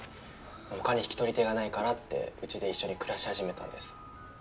他に引き取り手がないからってうちで一緒に暮らし始めたんです。